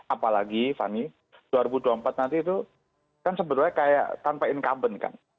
apalagi fani dua ribu dua puluh empat nanti itu kan sebenarnya kayak tanpa incumbent kan